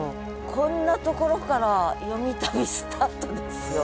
こんなところから「よみ旅」スタートですよ。